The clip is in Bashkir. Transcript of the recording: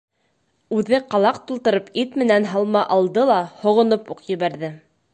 Үҙе ҡалаҡ тултырып ит менән һалма алды ла һоғоноп уҡ ебәрҙе.